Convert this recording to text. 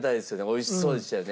美味しそうでしたよね。